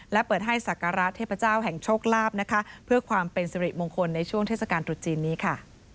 และเปิดให้สักการะเทพเจ้าแห่งโชคลาภนะคะเพื่อความเป็นสิริมงคลในช่วงเทศกาลตรุษจีนนี้ค่ะ